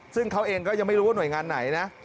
ซึ่งเขาเองก็ยังไม่รู้ว่าหน่วยงานไหนนะ